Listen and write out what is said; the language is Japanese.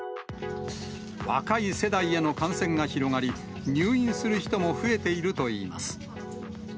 若い世代への感染が広がり、入院する人も増えているといいます。